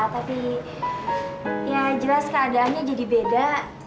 tapi ya jelas keadaannya jadi beda